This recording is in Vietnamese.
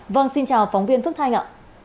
vâng xin chào phóng viên phước thanh ạ